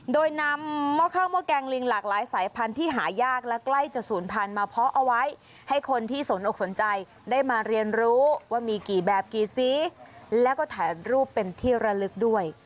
โดยนำหม้อข้าวหม้อแกงลิงหลากหลายสายพันธุ์ที่หายากและใกล้จะศูนย์พันธุ์มาเพาะเอาไว้ให้คนที่สนอกสนใจได้มาเรียนรู้ว่ามีกี่แบบกี่สีแล้วก็ถ่ายรูปเป็นที่ระลึกด้วย